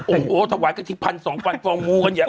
โอ้โหถวายกระทิพันธุ์สองพันธุ์ฟองงูกันเนี่ย